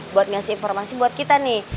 buat ngasih informasi buat kita nih